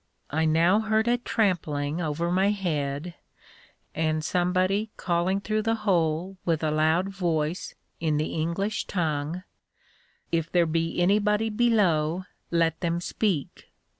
I now heard a trampling over my head, and somebody calling through the hole with a loud voice, in the English tongue, If there be anybody below, let them speak.